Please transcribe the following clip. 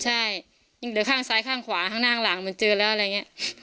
ใช่ยิงเดี๋ยวข้างซ้ายข้างขวาข้างหน้าข้างหลังมันเจอแล้วอะไรอย่างนี้